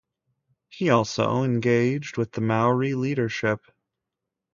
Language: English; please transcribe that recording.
He also engaged with the Maori leadership.